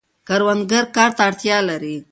کروندګر کار ته اړتیا لري.